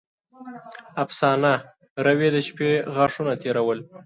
افسانه: روې د شپې غاښونه تېرول.